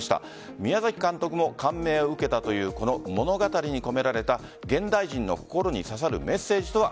宮崎監督も感銘を受けたというこの物語に込められた現代人の心に刺さるメッセージとは。